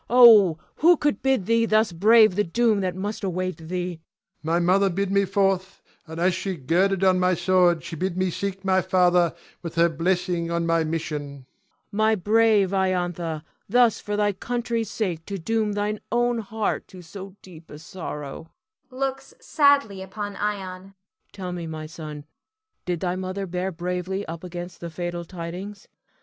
Oh, who could bid thee thus brave the doom that must await thee? Ion. My mother bid me forth; and as she girded on my sword, she bid me seek my father, with her blessing on my mission. Cleon. My brave Iantha, thus for thy country's sake to doom thine own heart to so deep a sorrow [looks sadly upon Ion]. Tell me, my son, did thy mother bear bravely up against the fatal tidings?